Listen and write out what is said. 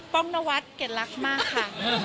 ้องนวัดเกดรักมากค่ะ